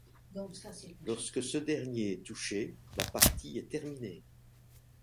Lorsque ce dernier est touché, la partie est terminée.